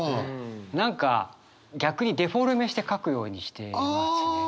何か逆にデフォルメして書くようにしてますね。